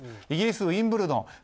イギリス、ウィンブルドン。